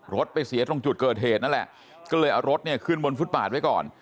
รถไปเสียตรงจุดเกิดเหตุนั่นแหละก็เลยเอารถเนี่ยขึ้นบนฟุตบาทไว้ก่อน